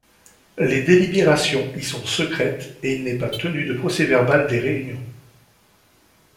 Les délibérations y sont secrètes, et il n'est pas tenu de procès-verbal des réunions.